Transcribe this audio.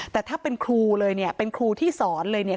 แต่ถ้าเป็นครูเลยเนี่ยเป็นครูที่สอนเลยเนี่ย